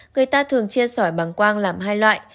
người ta thường chia sẻ bằng quang làm hai loại